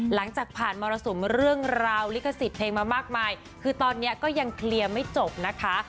หลังจากผ่านมรสุมเรื่องราวลิขสิทธิ์เพลงมามากมายคือตอนนี้ก็ยังเคลียร์ไม่จบนะคะ